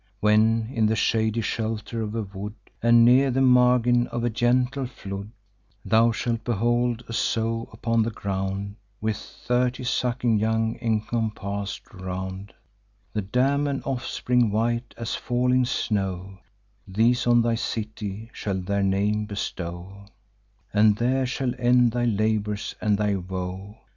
When, in the shady shelter of a wood, And near the margin of a gentle flood, Thou shalt behold a sow upon the ground, With thirty sucking young encompass'd round; The dam and offspring white as falling snow: These on thy city shall their name bestow, And there shall end thy labours and thy woe.